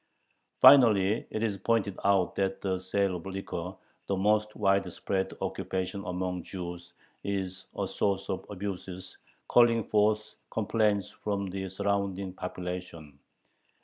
Finally it is pointed out that the sale of liquor, the most widespread occupation among Jews, is a source of abuses, calling forth complaints from the surrounding population.